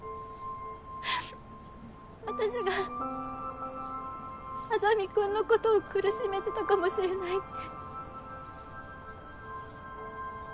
私が莇君のことを苦しめてたかもしれないって。